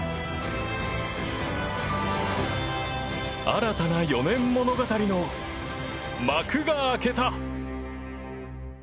新たな４年物語の幕が開けた。